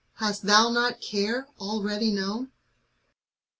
Hast thou not Care already known?